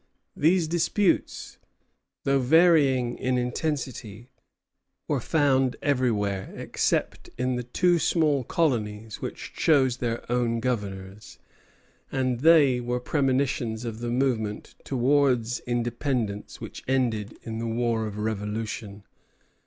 These disputes, though varying in intensity, were found everywhere except in the two small colonies which chose their own governors; and they were premonitions of the movement towards independence which ended in the war of Revolution.